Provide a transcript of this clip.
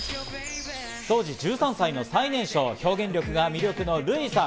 当時１３歳の最年少、表現力が魅力のＲＵＩさん。